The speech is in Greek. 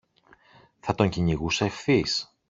θα τον κυνηγούσα ευθύς